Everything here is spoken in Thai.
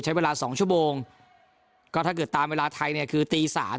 ใช้เวลาสองชั่วโมงก็ถ้าเกิดตามเวลาไทยเนี่ยคือตีสาม